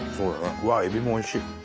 うわっエビもおいしい。